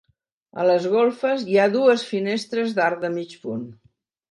A les golfes hi ha dues finestres d'arc de mig punt.